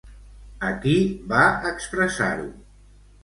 A qui va expressar-ho?